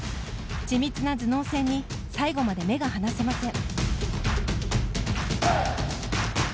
緻密な頭脳戦に最後まで目が離せません。